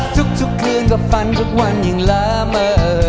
ทุกคืนก็ฝันทุกวันอย่างลาเมอ